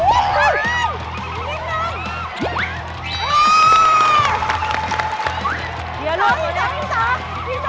สองเลยขึ้นมาเลยเสียงอยู่นิดนึง